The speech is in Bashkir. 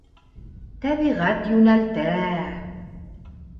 Тәбиғәт йүнәлтә